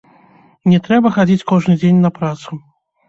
Не трэба хадзіць кожны дзень на працу.